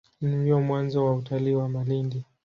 Ndio mwanzo wa utalii wa Malindi.